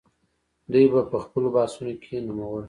دوی به په خپلو بحثونو کې نومول.